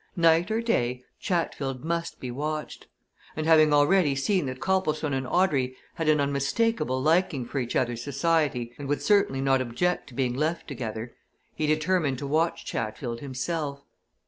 Night or day, Chatfield must be watched. And having already seen that Copplestone and Audrey had an unmistakable liking for each other's society and would certainly not object to being left together, he determined to watch Chatfield himself.